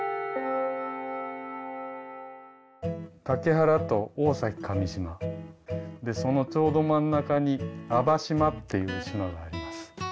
竹原と大崎上島でそのちょうど真ん中に阿波島っていう島があります。